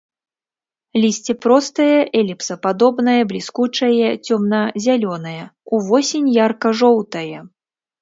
Лісце простае, эліпсападобнае, бліскучае, цёмна-зялёнае, увосень ярка-жоўтае.